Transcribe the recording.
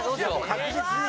確実に。